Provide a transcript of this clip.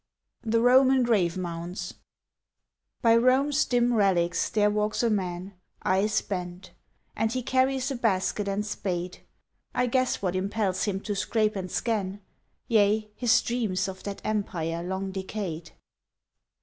THE ROMAN GRAVEMOUNDS BY Rome's dim relics there walks a man, Eyes bent; and he carries a basket and spade; I guess what impels him to scrape and scan; Yea, his dreams of that Empire long decayed.